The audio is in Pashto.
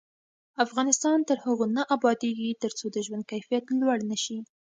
افغانستان تر هغو نه ابادیږي، ترڅو د ژوند کیفیت لوړ نشي.